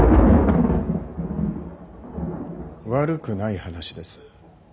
悪くない話です。